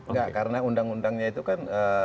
enggak karena undang undangnya itu kan